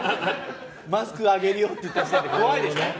マスクあげるよって言った時点で怖いでしょ。